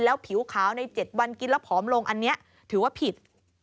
ผิวขาวใน๗วันกินแล้วผอมลงอันนี้ถือว่าผิด